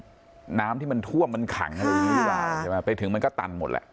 น้ำที่มันท่วมมันขังอะไรอย่างนี้หรือเปล่าใช่ไหมไปถึงมันก็ตันหมดแหละ